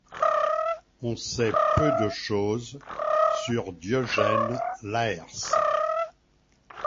On sait peu de choses sur Diogène Laërce.